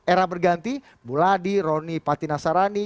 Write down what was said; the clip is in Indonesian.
era berganti buladi roni pati nasarani